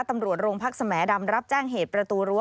ตำรวจโรงพักสแหมดำรับแจ้งเหตุประตูรั้ว